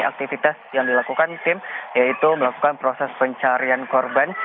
aktivitas yang dilakukan tim yaitu melakukan proses pencarian korban